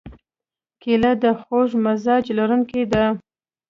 کېله د خوږ مزاج لرونکې ده.